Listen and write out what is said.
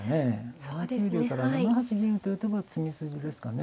７九竜から７八銀って打てば詰み筋ですかね。